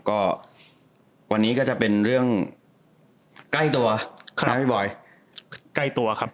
ก็วันนี้ก็จะเป็นเรื่องใกล้ตัวครับพี่บอยใกล้ตัวครับ